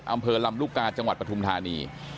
อำเภอลำลูกกาจังหวัดปฐุมธานี